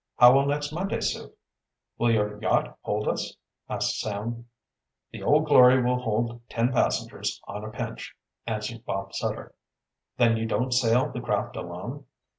"How will next Monday suit?" "Will your yacht hold us?" asked Sam. "The Old Glory will hold ten passengers on a pinch," answered Bob Sutter. "Then you don't sail the craft alone."